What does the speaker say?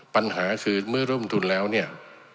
ปัญหาคือเมื่อร่วมทุนแล้วเนี่ย